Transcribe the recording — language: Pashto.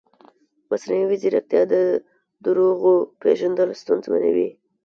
مصنوعي ځیرکتیا د دروغو پېژندل ستونزمنوي.